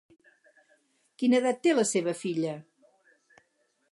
Quina edat té la seva filla?